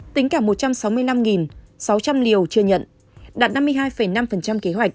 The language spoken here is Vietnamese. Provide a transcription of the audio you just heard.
tính cả một trăm sáu mươi năm sáu trăm linh liều chưa nhận đạt năm mươi hai năm kế hoạch